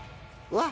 うわ。